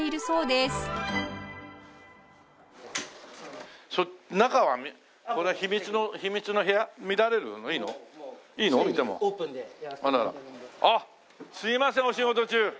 すいませんお仕事中。